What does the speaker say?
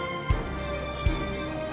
saya langsung kalau dia pa